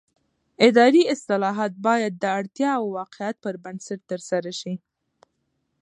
اداري اصلاحات باید د اړتیا او واقعیت پر بنسټ ترسره شي